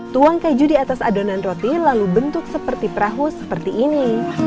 tuang keju di atas adonan roti lalu bentuk seperti perahu seperti ini